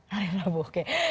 hari rabu oke